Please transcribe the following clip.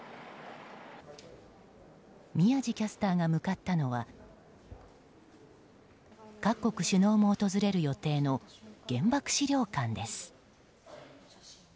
宮司キャスターが向かったのは各国首脳も訪れる予定の原爆資料館です。